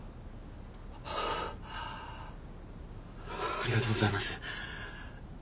ありがとうございます。